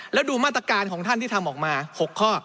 แล้วดูมาตรการของท่านที่ทำออกมา๖ข้อ